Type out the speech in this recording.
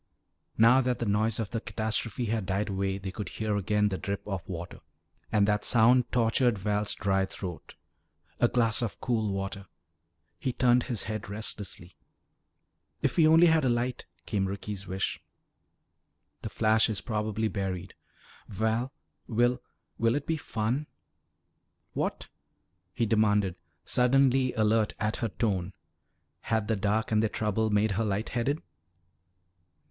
Now that the noise of the catastrophe had died away they could hear again the drip of water. And that sound tortured Val's dry throat. A glass of cool water He turned his head restlessly. "If we only had a light," came Ricky's wish. "The flash is probably buried." "Val, will will it be fun?" "What?" he demanded, suddenly alert at her tone. Had the dark and their trouble made her light headed?